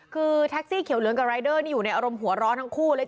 คือแท็กซี่เขียวเหลืองกับรายเดอร์นี่อยู่ในอารมณ์หัวร้อนทั้งคู่เลย